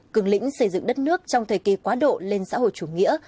cường lĩnh xây dựng đất nước trong thời kỳ quá độ lên xã hội chủ nghĩa